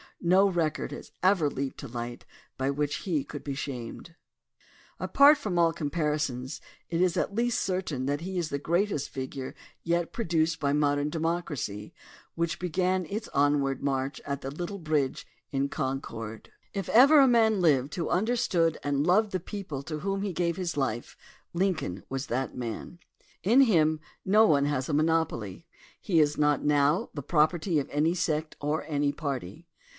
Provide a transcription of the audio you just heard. No record has ever leaped to light by which he could be shamed. 124 THE DEMOCRACY OF ABRAHAM LINCOLN Apart from all comparisons it is at least certain that he is the greatest figure yet produced by modern de mocracy which began its onward march at the little bridge in Concord. If ever a man lived who under stood and loved the people to whom he gave his life, Lincoln was that man. In him no one has a monopoly; he is not now the property of any sect or any party.